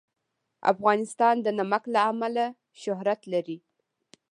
افغانستان د نمک له امله شهرت لري.